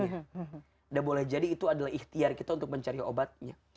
nah boleh jadi itu adalah ikhtiar kita untuk mencari obatnya